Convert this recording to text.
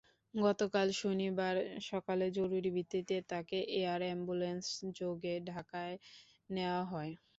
গতকাল শনিবার সকালে জরুরি ভিত্তিতে তাঁকে এয়ার অ্যাম্বুলেন্সযোগে ঢাকায় নেওয়া হয়।